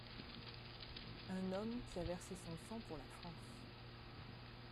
Un homme qui a versé son sang pour la France!